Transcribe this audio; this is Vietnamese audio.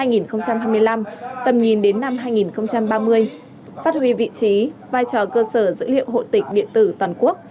giai đoạn hai nghìn hai mươi hai hai nghìn hai mươi năm tầm nhìn đến năm hai nghìn ba mươi phát huy vị trí vai trò cơ sở dữ liệu hội tịch điện tử toàn quốc